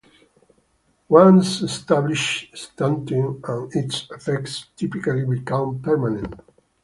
Once established, stunting and its effects typically become permanent.